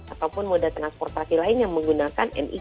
ataupun moda transportasi lain yang menggunakan nic